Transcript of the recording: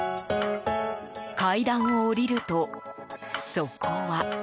階段を下りると、そこは。